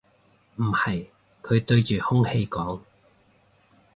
唔係，佢對住空氣講